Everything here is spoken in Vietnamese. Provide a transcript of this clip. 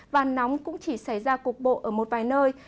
và nóng cũng chỉ xảy ra cục bộ ở một vài nơi